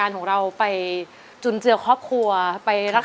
โปรดได้ช่วยดน